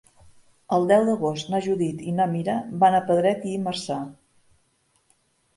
El deu d'agost na Judit i na Mira van a Pedret i Marzà.